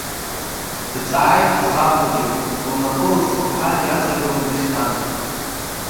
Дҵааит ӡӷаб хәыҷык, лнапы лыцламҳәа иаҵыргәаны дахьтәаз.